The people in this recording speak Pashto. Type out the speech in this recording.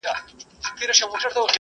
خبردار چي نوم د قتل څوك ياد نه كړي ,